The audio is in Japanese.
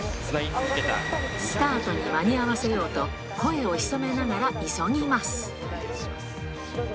スタートに間に合わせようと、声を潜めながら急ぎます。